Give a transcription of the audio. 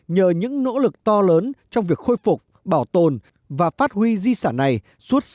nhờ những nỗ lực to lớn trong việc khôi phục bảo tồn và phát huy di sản này suốt sáu năm qua